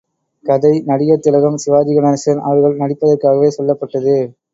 கதை, நடிகர் திலகம் சிவாஜிகணேசன் அவர்கள் நடிப்பதற்காகவே சொல்லப்பட்டது.